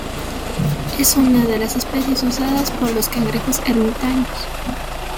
Es una de las especies usadas por los cangrejos ermitaños.